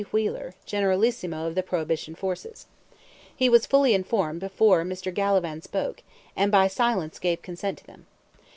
Wheeler, generalissimo of the Prohibition forces. He was fully informed before Mr. Gallivan spoke, and by silence gave consent to them.